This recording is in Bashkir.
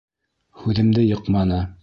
Һүҙемде йыҡманы.